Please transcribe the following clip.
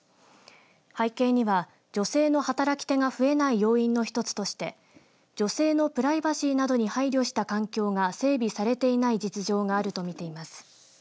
背景には女性の働き手が増えない要因の一つとして女性のプライバシーなどに配慮した環境が整備されていない実情があると見ています。